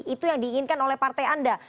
itu yang diinginkan oleh partai anda